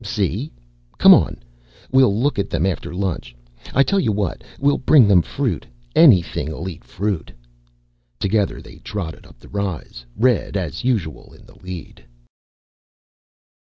"See. Come on. We'll look at them after lunch. I tell you what. We'll bring them fruit. Anything'll eat fruit." Together they trotted up the rise, Red, as usual, in the lead.